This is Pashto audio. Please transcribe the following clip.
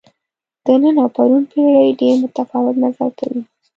د نن او پرون پېړۍ ډېر متفاوت مزل کوي.